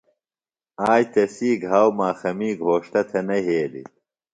آج تسی گھاؤ ماخَمی گھوݜٹہ تھےۡ نہ یھیلیۡ۔